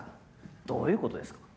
どういうことですか？